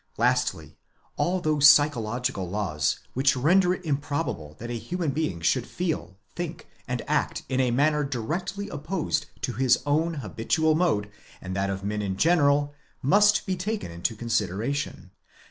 Lastly, all those psycholo gical laws, which render it improbable that a human being should feel, think, and act ina manner directly opposed to his own habitual mode and that of men in general, must be taken into consideration.